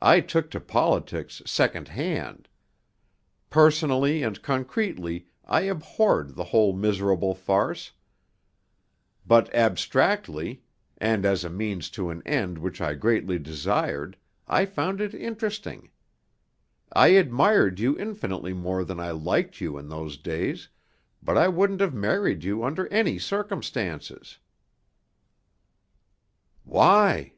I took to politics, second hand. Personally and concretely I abhorred the whole miserable farce, but abstractly, and as a means to an end which I greatly desired, I found it interesting. I admired you infinitely more than I liked you in those days, but I wouldn't have married you under any circumstances." "Why?"